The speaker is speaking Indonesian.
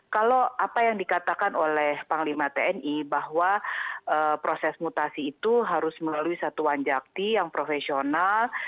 kalau apa yang dikatakan oleh panglima tni bahwa proses mutasi itu harus melalui satu wanjakti yang profesional